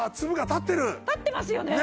立ってますよね？